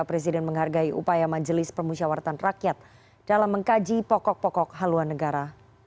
presiden menghargai upaya majelis permusyawaratan rakyat dalam mengkaji pokok pokok haluan negara